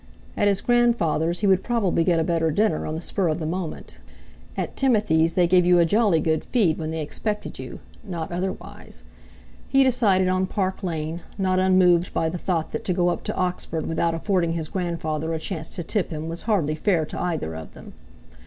At his grandfather's he would probably get a better dinner on the spur of the moment. At Timothy's they gave you a jolly good feed when they expected you, not otherwise. He decided on Park Lane, not unmoved by the thought that to go up to Oxford without affording his grandfather a chance to tip him was hardly fair to either of them.